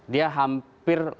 dia hampir lebih dari satu juta ya